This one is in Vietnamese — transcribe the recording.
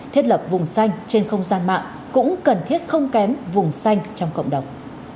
thiết lập vùng xanh trên không gian mạng cũng cần thiết không kém vùng xanh trong cộng đồng